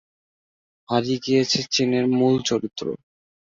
হারিয়ে গিয়েছে চীনের মূল চরিত্র।